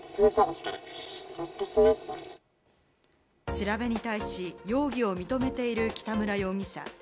調べに対し容疑を認めている北村容疑者。